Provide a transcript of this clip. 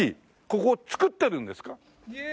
ここ作ってるんですか？